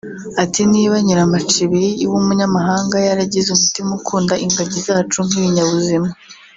ati “Niba Nyiramacibiri w’umunyamahanga yaragize umutima ukunda ingagi zacu nk’ibinyabuzima